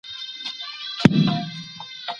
دغه کوچنی دونه ښکلی دی چي هر څوک یې مچوی.